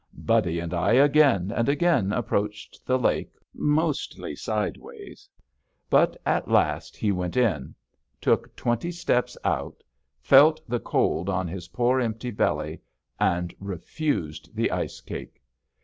Buddy and I again and again approached the lake, mostly sideways. But at last he went in, took twenty steps out, felt the cold on his poor empty belly, and refused the ice cake.